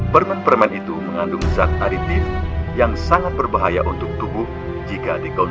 tapi tenang aja aku ini nggak apa apa kan